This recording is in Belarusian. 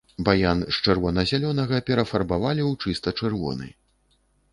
Баян з чырвона-зялёнага перафарбавалі ў чыста чырвоны.